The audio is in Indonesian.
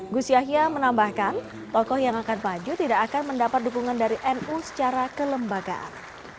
gus yahya menambahkan tokoh yang akan maju tidak akan mendapat dukungan dari nu secara kelembagaan